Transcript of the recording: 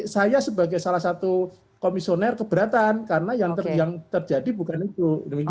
saya sebagai salah satu komisioner keberatan karena yang terjadi bukan itu